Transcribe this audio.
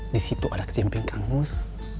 disitu ada ke cimpring kangus